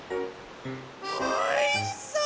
おいしそう！